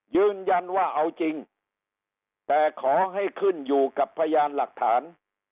ยืนยันว่าเอาจริงแต่ขอให้ขึ้นอยู่กับพยานหลักฐาน